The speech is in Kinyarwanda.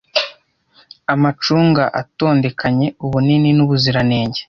Amacunga atondekanya ubunini n'ubuziranenge.